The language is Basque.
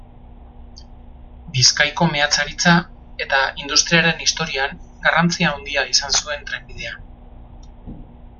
Bizkaiko meatzaritza eta industriaren historian garrantzi handia izan zuen trenbidea.